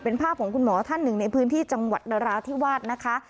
เป็นภาพของคุณหมอท่านหนึ่งในพื้นที่จังหวัดนราธิวาสนะคะ